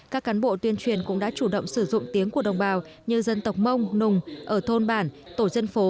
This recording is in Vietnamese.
các cán bộ tuyên truyền cũng đã chủ động sử dụng tiếng của đồng bào như dân tộc mông nùng ở thôn bản tổ dân phố